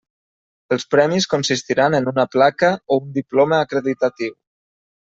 Els premis consistiran en una placa o un diploma acreditatiu.